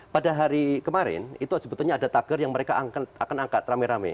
pada hari kemarin itu sebetulnya ada tagar yang mereka akan angkat rame rame